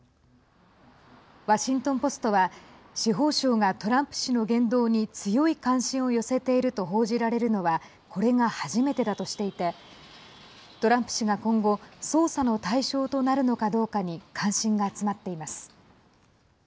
ワシントン・ポストは司法省がトランプ氏の言動に強い関心を寄せていると報じられるのはこれが初めてだとしていてトランプ氏が今後捜査の対象となるのかどうかに関心が集まっています。